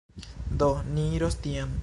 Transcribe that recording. Do, ni iros tien